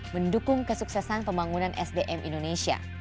mendukung kesuksesan pembangunan sdm indonesia